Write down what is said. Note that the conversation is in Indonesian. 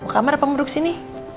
kamar apa ngeduduk sini